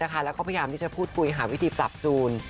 พยายามได้ช่ายพูดคุยหาวิธีปรับทรูล